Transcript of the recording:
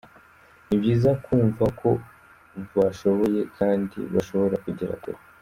Ni byiza kumva ko bashoboye kandi bashobora kugera kure.